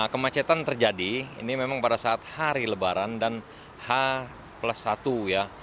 kemacetan terjadi ini memang pada saat hari lebaran dan h plus satu ya